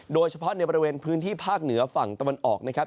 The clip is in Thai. โดยเฉพาะในบริเวณพื้นที่ภาคเหนือฝั่งตะวันออกนะครับ